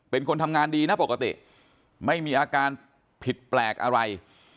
เป็นคนทำงานดีนะปกติไม่มีอาการผิดแปลกอะไร